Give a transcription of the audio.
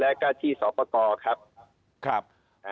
และก็ที่สอนประตอบครับ